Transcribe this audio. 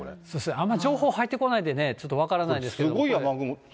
あんまり情報入ってこないんでね、ちょっと分からないですけ